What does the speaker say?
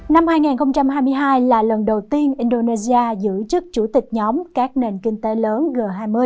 năm hai nghìn hai mươi hai là lần đầu tiên indonesia giữ chức chủ tịch nhóm các nền kinh tế lớn g hai mươi